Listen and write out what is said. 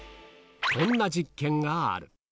こんな実験がある。